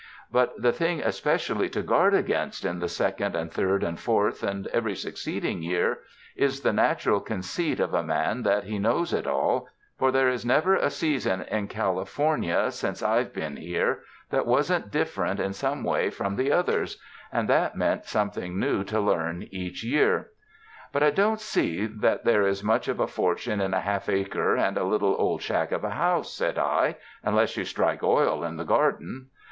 But the thing especially to guard against in the second, and third, and fourth and every suc ceeding year, is the natural conceit of a man that he knows it all, for there is never a season in Cali fornia since I've been here that wasn't different 251 UNDER THE SKY IN CALIFORNIA in some way from the others, and that meant some thing new to learn each year. '' ''But I don't see that there is much of a fortune in a half acre and a little old shack of a house," said I, ''unless you strike oil in the garden."